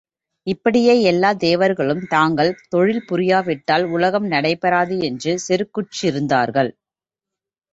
இப்படியே எல்லாத் தேவர்களும், தாங்கள் தொழில் புரியாவிட்டால் உலகம் நடைபெறாது என்று செருக்குற்றிருந்தார்கள்.